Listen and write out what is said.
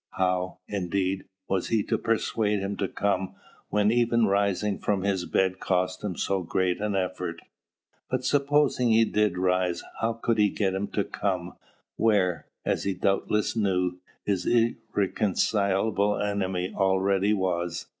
How, indeed, was he to persuade him to come, when even rising from his bed cost him so great an effort? But supposing that he did rise, how could he get him to come, where, as he doubtless knew, his irreconcilable enemy already was?